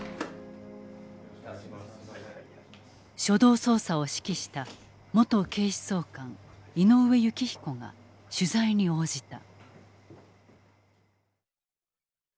初動捜査を指揮した元警視総監井上幸彦が取材に応じた。